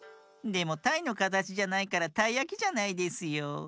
でもたいのかたちじゃないからたいやきじゃないですよ。